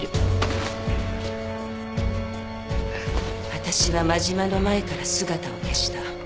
私は真島の前から姿を消した。